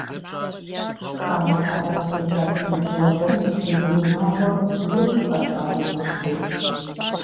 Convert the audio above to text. Хамэ къэрал къикӏа си ныбжьэгъум и унагъуэр игу къэкӏауэ нэщхъейт…